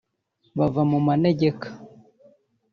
bava mu manegeka